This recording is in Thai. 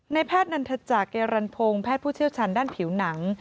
แพทย์นันทจักรเยรันพงศ์แพทย์ผู้เชี่ยวชาญด้านผิวหนัง